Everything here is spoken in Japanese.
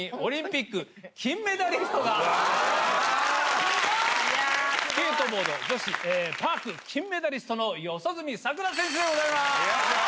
スケートボード女子パーク金メダリストの四十住さくら選手でございます。